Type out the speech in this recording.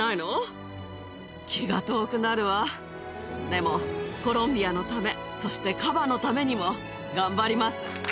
でもコロンビアのためそしてカバのためにも頑張ります。